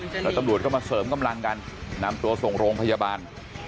แล้วตำรวจก็มาเสริมกำลังกันนำตัวส่งโรงพยาบาล